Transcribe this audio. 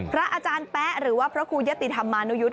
พระอาจารย์แป๊ะหรือว่าพระครูยะติธรรมานุยุทธ์